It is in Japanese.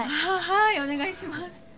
はいお願いします